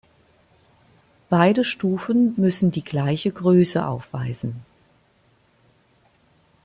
Beide Stufen müssen die gleiche Größe aufweisen.